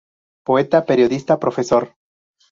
Poeta, periodista, profesor.